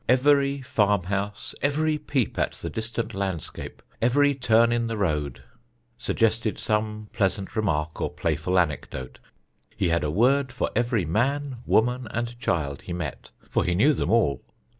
Every farm house, every peep at the distant landscape, every turn in the road, suggested some pleasant remark or playful anecdote. He had a word for every man, woman, and child he met, for he knew them all.